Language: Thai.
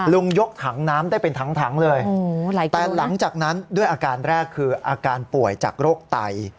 ยกถังน้ำได้เป็นถังเลยแต่หลังจากนั้นด้วยอาการแรกคืออาการป่วยจากโรคไต